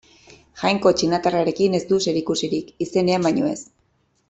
Jainko txinatarrarekin ez du zerikusirik, izenean baino ez.